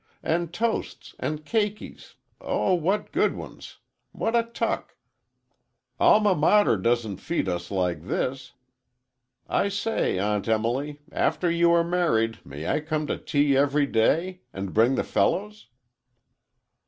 And toasts,—and cakies,—oh, what good ones! What a tuck! Alma Mater doesn't feed us like this! I say, Aunt Emily, after you are married, may I come to tea every day? And bring the fellows?"